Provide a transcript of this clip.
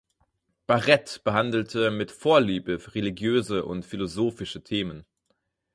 Barrett behandelte mit Vorliebe religiöse und philosophische Themen.